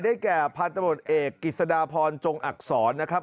ได้แก่พันธุ์ตำรวจเอกกิศดาพรจงอักษร